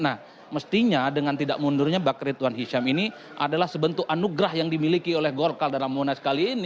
nah mestinya dengan tidak mundurnya mbak ritwan hisham ini adalah sebentuk anugerah yang dimiliki oleh golkar dan ramona sekali ini